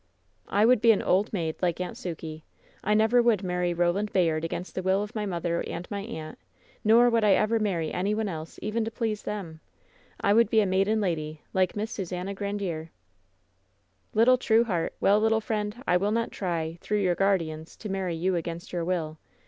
"I would be an old maid, like Aunt Sukey. I never so WHEN SHADOWS DIE would marry Koland Bayard against the will of my mother and my aunt; nor would I ever marry any one else, even to please them. I would be a maiden lady, like Miss Susannah Grandiere." "Little true heart ! Well, little friend, I will not try, through your guardians, to marry you against your will.